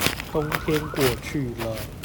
冬天過去了